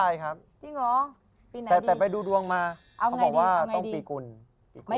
อยากได้ผู้ชายครับ